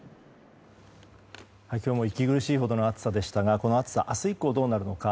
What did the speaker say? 今日も息苦しいほどの暑さですがこの暑さ明日以降どうなるのか。